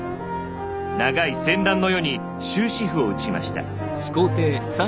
長い戦乱の世に終止符を打ちました。